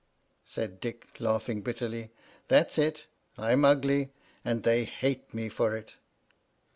said Dick, laughing bitterly. "That's it. I'm ugly, and they hate me for it!"